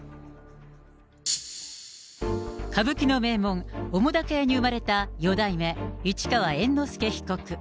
歌舞伎の名門、澤瀉屋に生まれた四代目市川猿之助被告。